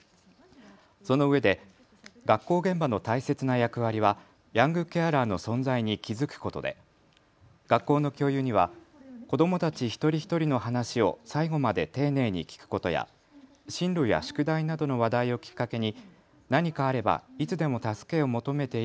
そのうえで学校現場の大切な役割はヤングケアラーの存在に気付くことで学校の教諭には子どもたち一人一人の話を最後まで丁寧に聞くことや進路や宿題などの話題をきっかけに何かあればいつでも助けを求めて